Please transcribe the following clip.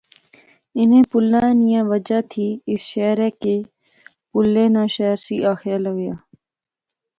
انیں پلیں نیاں وجہ تھی اس شہرے کی پلیں ناں شہر سی آخیا لخیا